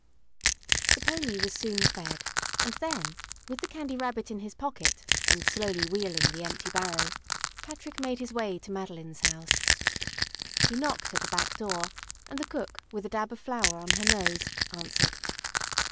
The pony was soon fed, and then, with the Candy Rabbit in his pocket and slowly wheeling the empty barrow, Patrick made his way to Madeline's house. He knocked at the back door, and the cook, with a dab of flour on her nose, answered.